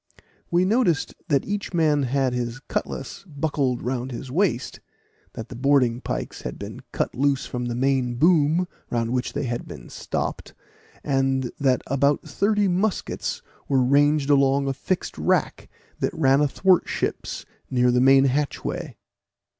We noticed that each man had his cutlass buckled round his waist that the boarding pikes had been cut loose from the main boom, round which they had been stopped, and that about thirty muskets were ranged along a fixed rack that ran athwart ships near the main hatchway.